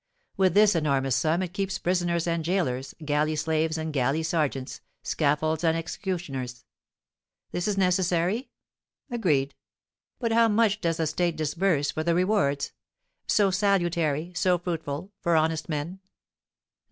With this enormous sum it keeps prisoners and gaolers, galley slaves and galley sergeants, scaffolds and executioners. This is necessary? Agreed. But how much does the state disburse for the rewards (so salutary, so fruitful) for honest men?